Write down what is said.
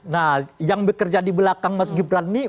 nah yang bekerja di belakang mas gibran ini